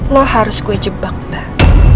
lo harus gue jebak mbak